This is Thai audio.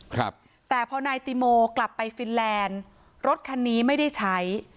ครับแต่พอนายติโมกลับไปฟินแลนด์รถคันนี้ไม่ได้ใช้